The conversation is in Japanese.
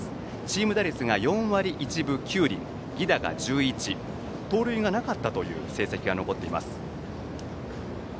チーム打率が４割１分９厘犠打が１１盗塁がなかったという成績が残っています。